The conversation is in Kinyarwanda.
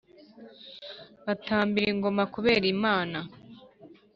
batambira ingoma kubera imana